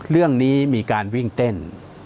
เรื่องนี้มีการวิ่งเต้น